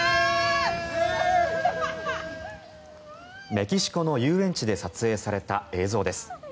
メキシコの遊園地で撮影された映像です。